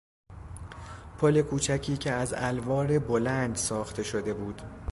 پل کوچکی که از الوار بلند ساخته شده بود